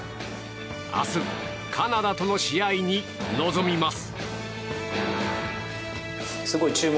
明日カナダとの試合に臨みます。